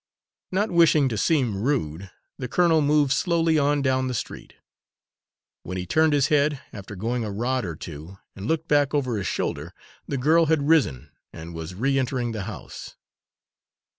Not wishing to seem rude, the colonel moved slowly on down the street. When he turned his head, after going a rod or two, and looked back over his shoulder, the girl had risen and was re entering the house.